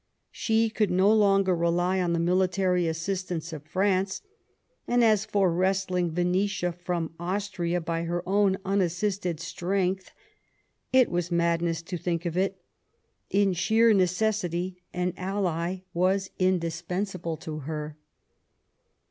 She could no longer rely on the military assistance of France ; and, as for wresting Venetia from Austria by her own unassisted strength, it was madness to think of it ; in sheer necessity'', an ally was indispensable to her.